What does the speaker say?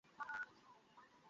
সবে তোমার সঙ্গে দেখা হয়েছে!